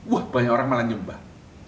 wah banyak orang malah nyumbang